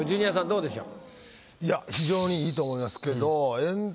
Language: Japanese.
どうでしょう？